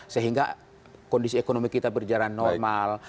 sehingga kondisi ekonomi kita berjalan normal